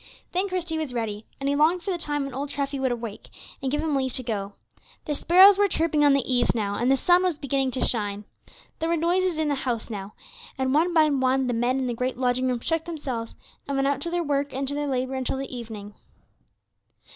Then Christie was ready; and he longed for the time when old Treffy would awake, and give him leave to go. The sparrows were chirping on the eaves now, and the sun was beginning to shine. There were noises in the house, too, and one by one the men in the great lodging room shook themselves, and went out to their work and to their labor until the evening.